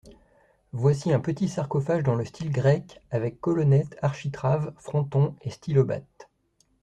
Voici un petit sarcophage dans le style grec… avec colonnettes, architraves, fronton et stylobate…